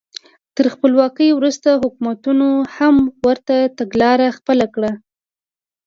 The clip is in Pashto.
تر خپلواکۍ وروسته حکومتونو هم ورته تګلاره خپله کړه.